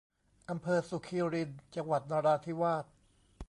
อำเภอสุคิริน จังหวัดนราธิวาส